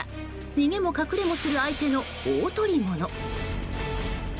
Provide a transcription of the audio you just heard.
逃げも隠れもする相手の大捕物。